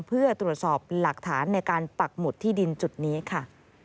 เพื่อตรวจสอบหลักฐานในการปักหมุดที่ดินจุดนี้ค่ะ